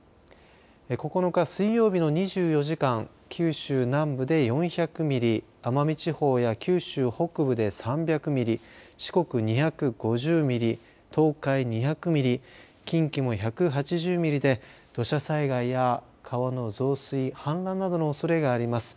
９日水曜日の２４時間、九州南部で４００ミリ、奄美地方や九州北部で３００ミリ、四国２５０ミリ、東海２００ミリ、近畿も１８０ミリで土砂災害や川の増水、氾濫などのおそれがあります。